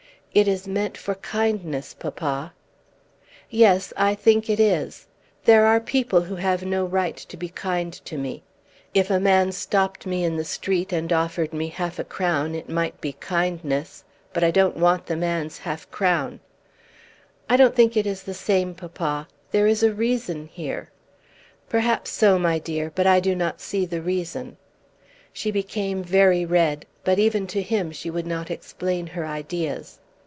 "It is meant for kindness, papa." "Yes; I think it is. There are people who have no right to be kind to me. If a man stopped me in the street and offered me half a crown it might be kindness; but I don't want the man's half crown." "I don't think it is the same, papa. There is a reason here." "Perhaps so, my dear; but I do not see the reason." She became very red, but even to him she would not explain her ideas.